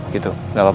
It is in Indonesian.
gitu gak apa apa